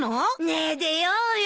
ねえ出ようよ。